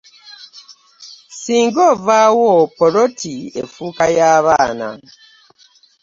Ssinga ovaawo poloti efuuka ya baana.